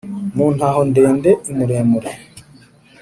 mu ntahondende: i muremure